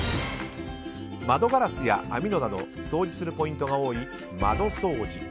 窓ガラスや網戸など掃除するポイントが多い窓掃除。